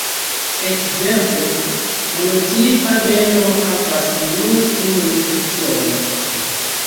Ekzemple, monotipa genro havas nur unun specion.